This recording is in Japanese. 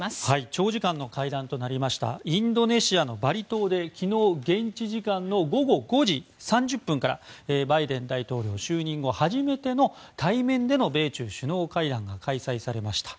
長時間の会談となりましたインドネシアのバリ島で昨日現地時間の午後５時３０分からバイデン大統領就任後初めての対面での米中首脳会談が開催されました。